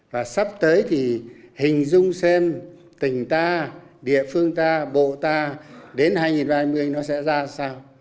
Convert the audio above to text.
và sắp tới thì hình dung xem tỉnh ta địa phương ta bộ ta đến hai nghìn ba mươi nó sẽ ra sao